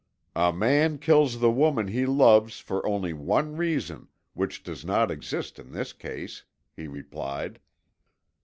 "A man kills the woman he loves for only one reason, which does not exist in this case," he replied.